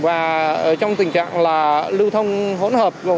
và trong tình trạng lưu thông hỗn hợp